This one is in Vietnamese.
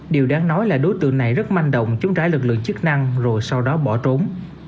điều đáng nói là đối tượng này rất manh động chống trả lực lượng chức năng rồi sau đó bỏ trốn